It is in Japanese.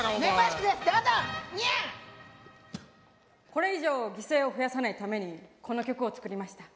これ以上犠牲を増やさないためにこの曲を作りました。